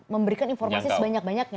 memberikan informasi sebanyak banyaknya